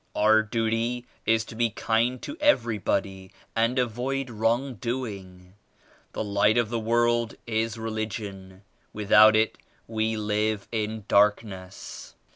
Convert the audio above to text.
Our duty is to be kind to every body and avoid wrong doing. The Light of the world is Religion; without it we live in dark ness.